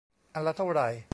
อันละเท่าไหร่